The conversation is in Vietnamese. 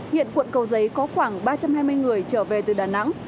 hiện quận cầu giấy có khoảng ba trăm hai mươi người trở về từ đà nẵng